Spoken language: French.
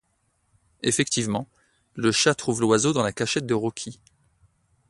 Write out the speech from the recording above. Effectivement, le chat trouve l'oiseau dans la cachette de Rocky.